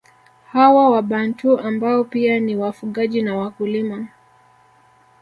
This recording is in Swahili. Hawa wabantu ambao pia ni wafugaji na wakulima